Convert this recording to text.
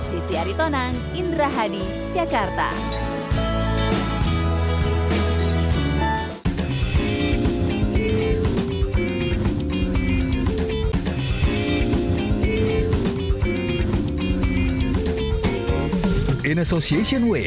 desy aritonang indra hadi jakarta